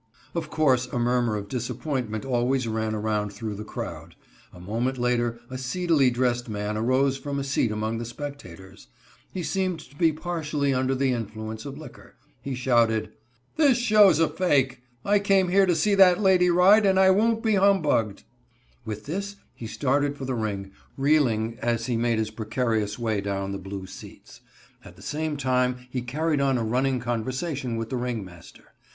Of course a murmur of disappointment always ran around through the crowd. A moment later a seedily dressed man arose from a seat among the spectators. He seemed to be partially under the influence of liquor. He shouted: "This show is a fake. I came here to see that lady ride, and I won't be humbugged." With this, he started for the ring, reeling as he made his precarious way down the blue seats. At the same time he carried on a running conversation with the ringmaster.